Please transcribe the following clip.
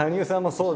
そう！